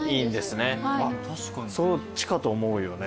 そっちかと思うよね。